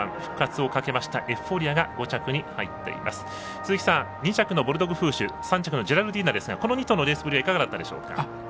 鈴木さん２着のボルドグフーシュ３着のジェラルディーナですがこの２頭はどうでしたでしょうか。